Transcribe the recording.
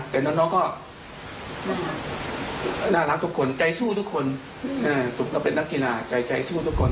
แต่น้องก็น่ารักทุกคนใจสู้ทุกคนผมก็เป็นนักกีฬาใจสู้ทุกคน